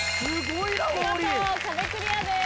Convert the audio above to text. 見事壁クリアです。